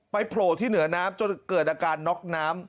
โผล่ที่เหนือน้ำจนเกิดอาการน็อกน้ำ